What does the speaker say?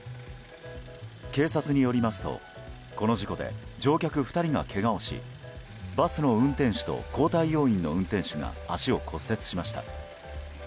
警察によりますとこの事故で乗客２人がけがをしバスの運転手と交代要員の運転手が足を骨折しました。